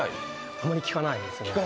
あまり聞かないですね。